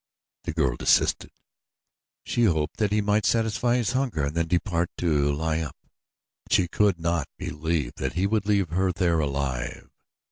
The girl desisted. She hoped that he might satisfy his hunger and then depart to lie up, but she could not believe that he would leave her there alive.